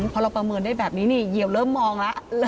พอเราประเมินได้แบบนี้นี่เหยียวเริ่มมองแล้ว